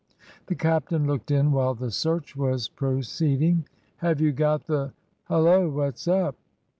The captain looked in while the search was proceeding. "Have you got the Hullo, what's up?"